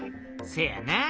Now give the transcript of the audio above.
せやな。